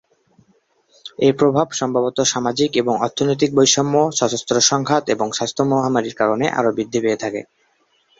এই প্রভাব সম্ভবত সামাজিক এবং অর্থনৈতিক বৈষম্য, সশস্ত্র সংঘাত এবং স্বাস্থ্য মহামারীর কারণে আরো বৃদ্ধি পেয়ে থাকে।